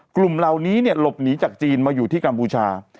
กลุ่มเหล่านี้หลบหนีจากจีนมาอยู่ที่กัมพูชา